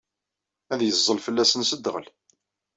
Ad yeẓẓel fell-asen s dɣel.